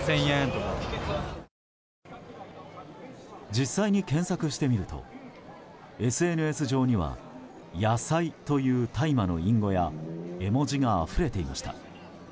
実際に検索してみるとＳＮＳ上には野菜という大麻の隠語や絵文字があふれていました。